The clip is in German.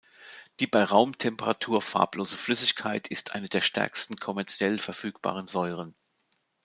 Die bei Raumtemperatur farblose Flüssigkeit ist eine der stärksten kommerziell verfügbaren Säuren.